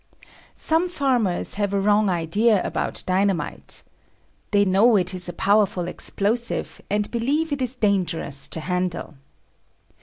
Some farmers have a wrong idea about dynamite. They know it is a powerful explosive, and believe it is dangerous to handle.